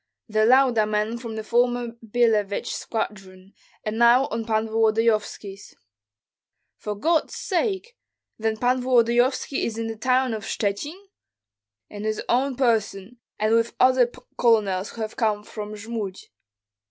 "The Lauda men from the former Billevich squadron, and now of Pan Volodyovski's." "For God's sake! Then Pan Volodyovski is in the town of Shchuchyn?" "In his own person, and with other colonels who have come from Jmud."